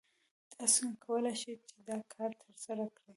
تاسو څنګه کولی شئ چې دا کار ترسره کړئ؟